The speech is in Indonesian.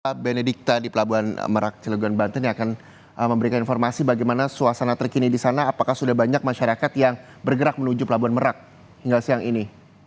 apa benny dikta di pelabuhan merak cilegon banten yang akan memberikan informasi bagaimana suasana terkini di sana apakah sudah banyak masyarakat yang bergerak menuju pelabuhan merak hingga siang ini